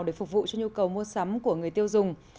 để phục vụ cho nhu cầu mua sắm của người tiêu dùng